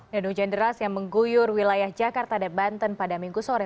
dan hujan deras yang mengguyur wilayah jakarta dan banten pada minggu sore